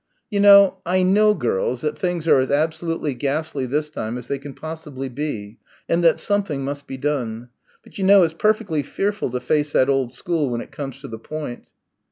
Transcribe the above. "You know, I know girls, that things are as absolutely ghastly this time as they can possibly be and that something must be done.... But you know it's perfectly fearful to face that old school when it comes to the point."